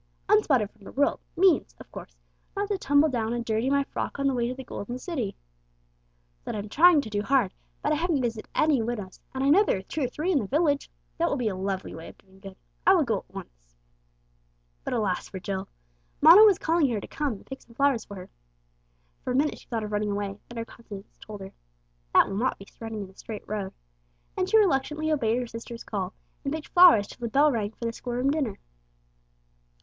"'Unspotted from the world' means, of course, not to tumble down and dirty my frock on the way to the Golden City. That I'm trying to do hard, but I haven't visited any widows, and I know there are two or three in the village. That will be a lovely way of doing good. I will go at once." But alas for Jill! Mona was calling her to come and pick some flowers for her. For a minute she thought of running away, then her conscience told her "That will not be running in a straight road," and she reluctantly obeyed her sister's call, and picked flowers till the bell rang for the school room dinner.